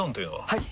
はい！